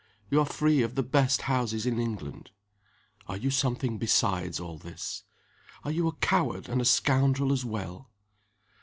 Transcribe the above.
You are free of the best houses in England. Are you something besides all this? Are you a coward and a scoundrel as well?"